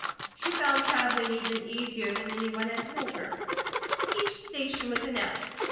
She found travelling even easier than any one had told her. Each station was announced.